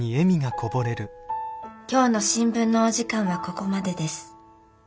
今日の新聞のお時間はここまでです。